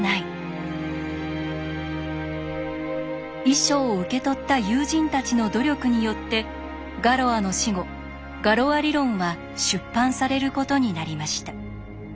遺書を受け取った友人たちの努力によってガロアの死後ガロア理論は出版されることになりました。